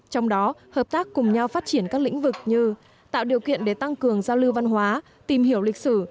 trong đó hợp tác cùng nhau phát triển các lĩnh vực như tạo điều kiện để tăng cường giao lưu văn hóa tìm hiểu lịch sử